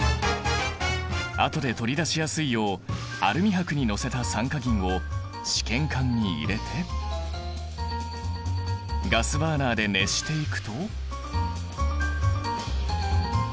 あとで取り出しやすいようアルミ箔に載せた酸化銀を試験管に入れてガスバーナーで熱していくと。